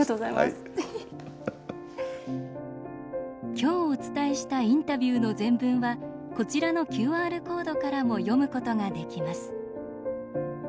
今日お伝えしたインタビューの全文はこちらのＱＲコードからも読むことができます。